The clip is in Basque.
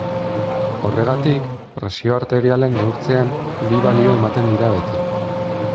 Horregatik, presio arteriala neurtzean, bi balio ematen dira beti.